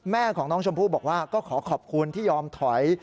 แม่ของน้องชมพู่บอกว่าก็ขอขอบคุณที่ยอมถอย